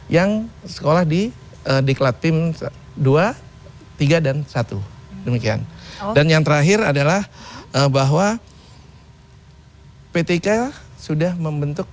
yang sekolah di diklat tim dua tiga dan satu demikian dan yang terakhir adalah bahwa ptk sudah membentuk